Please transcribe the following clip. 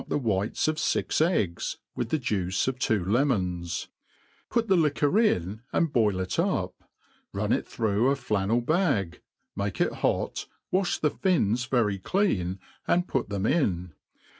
the whites of fix eggs, with the juice of two lemons ; put the liquor in and boil it up, run it through a flannel bag^ ipal^.e it hot, waih the fins very clean, and put them in.